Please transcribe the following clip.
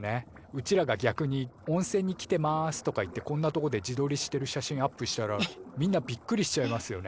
うちらが逆に「温泉に来てます」とか言ってこんなとこで自どりしてる写真アップしたらみんなびっくりしちゃいますよね。